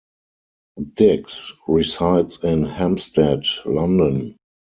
Dicks resides in Hampstead, London.